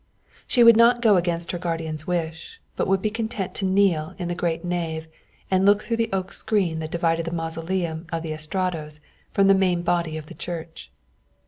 She would not go against her guardian's wish, but would be content to kneel in the great nave and look through the oak screen that divided the mausoleum of the Estratos from the main body of the church.